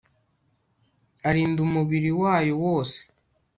arinda umubiri wayo wose